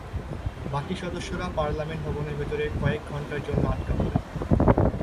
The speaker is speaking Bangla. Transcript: বাকি সদস্যরা পার্লামেন্ট ভবনের ভেতরে কয়েক ঘণ্টার জন্য আটকা পড়েন।